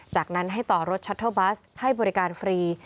จากนั้นให้ต่อรถชัตเทอร์บัสให้บริการฟรี